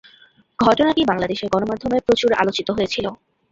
ঘটনাটি বাংলাদেশের গণমাধ্যমে প্রচুর আলোচিত হয়েছিল।